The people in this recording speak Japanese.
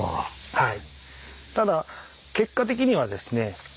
はい。